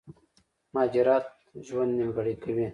مهاجرت ژوند نيمګړی کوي